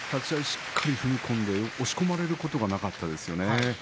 しっかり踏み込んで押し込まれることがなかったですよね。